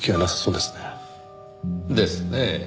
ですねぇ。